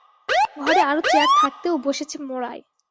ঘরে আরো চেয়ার থাকতেও বসেছে মোড়ায়।